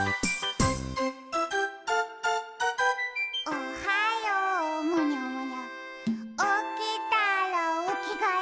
「おはようむにゃむにゃおきたらおきがえ」